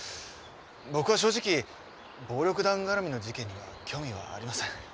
僕は正直暴力団がらみの事件には興味はありません。